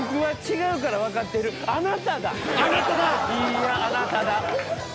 いやあなただ。